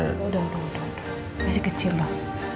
udah udah udah masih kecil loh